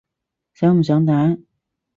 想唔想打？